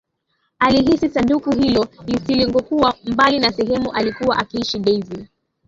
Alihisi sanduku hilo lisingkuwa mbali na sehemu aliyokuwa akiishi Daisy